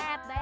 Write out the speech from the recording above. uap uap uap